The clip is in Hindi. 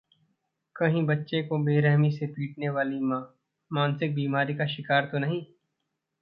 कहीं बच्चे को बेरहमी से पीटने वाली मां मानसिक बीमारी का शिकार तो नहीं!